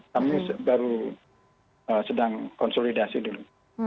kami baru sedang konsolidasi dulu